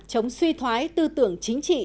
chống suy thoái tư tưởng chính trị